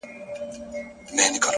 صبر د لوړو موخو ساتونکی دی